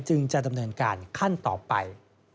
จึงจะดำเนินการขั้นต่อไป